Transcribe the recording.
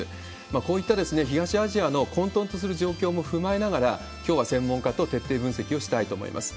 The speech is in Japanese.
こういった東アジアの混とんとする状況も踏まえながら、きょうは専門家と徹底分析をしたいと思います。